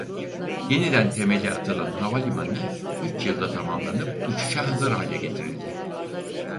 Yeniden temeli atılan havalimanı üç yılda tamamlanıp uçuşa hazır hale getirildi.